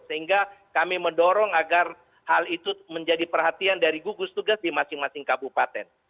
sehingga kami mendorong agar hal itu menjadi perhatian dari gugus tugas di masing masing kabupaten